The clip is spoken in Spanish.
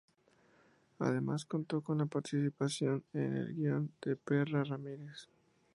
Además contó con la participación en el guion de Perla Ramírez.